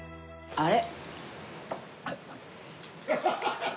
あれ？